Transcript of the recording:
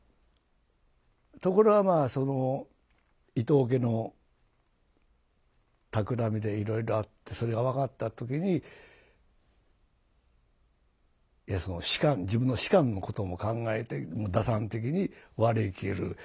ところがまあその伊藤家のたくらみでいろいろあってそれが分かった時に自分の仕官のことも考えて打算的に割り切る。